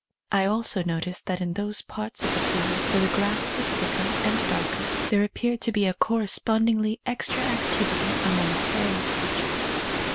I also noticed that in those parts of the field where the grass was thicker and darker, there ap peared to be a correspondingly extra activ ity among the fairy creatures.